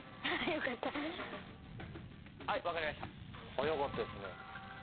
早かったですね。